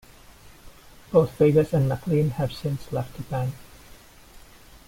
Both Vegas and MacLean have since left the band.